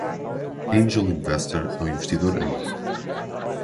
Angel Investor é um investidor anjo.